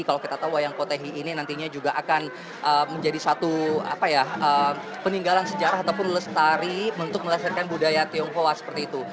kalau kita tahu wayang potehi ini nantinya juga akan menjadi satu peninggalan sejarah ataupun lestari untuk melestarikan budaya tionghoa seperti itu